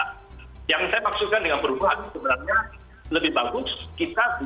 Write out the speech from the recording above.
kalau misalnya saya lahir di tanggal tiga juli itu energinya adalah energi satu